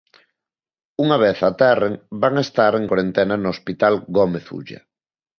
Unha vez aterren van estar en corentena no hospital Gómez Ulla.